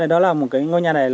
đó là một cái ngôi nhà này